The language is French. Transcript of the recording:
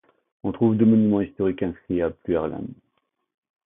On trouve deux monuments historiques inscrits à Pluherlin.